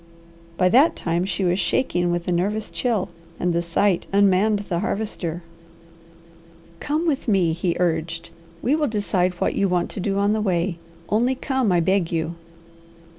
By that time she was shaking with a nervous chill, and the sight unmanned the Harvester. "Come with me!" he urged. "We will decide what you want to do on the way. Only come, I beg you."